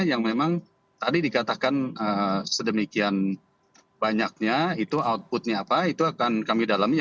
yang memang tadi dikatakan sedemikian banyaknya itu outputnya apa itu akan kami dalami